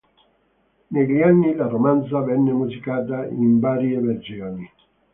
Negli anni la romanza venne musicata in varie versioni.